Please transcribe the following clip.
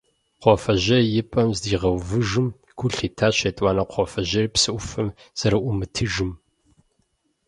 Кхъуафэжьейр и пӀэм здигъэувыжым, гу лъитащ етӀуанэ кхъуафэжьейр псы Ӏуфэм зэрыӀумытыжым.